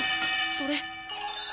それ。